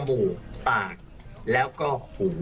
๓ขิ้วจมูกปากแล้วก็หู